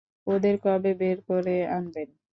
ওদের কবে বের করে আনবেন?